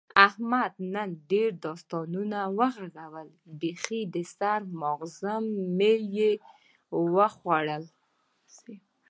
احمد نن ډېر داستانونه و غږول، بیخي د سر ماغز مې یې وخوړل.